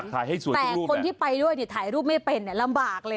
แต่คนที่ไปด้วยถ่ายรูปไม่เป็นลำบากเลย